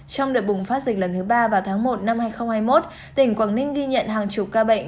trong đợt bùng phát dịch lần thứ ba vào tháng một năm hai nghìn hai mươi một tỉnh quảng ninh ghi nhận hàng chục ca bệnh